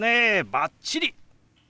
バッチリ！